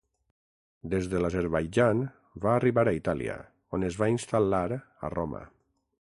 Des de l'Azerbaidjan va arribar a Itàlia, on es va instal·lar a Roma.